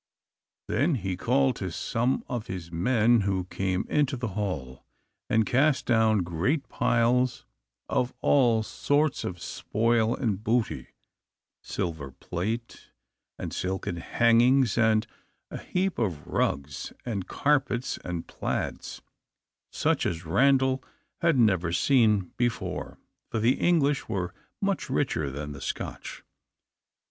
Then he called to some of his men, who came into the hall, and cast down great piles of all sorts of spoil and booty, silver plate, and silken hangings, and a heap of rugs, and carpets, and plaids, such as Randal had never seen before, for the English were much richer than the Scotch.